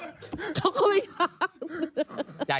เขากลุยช้า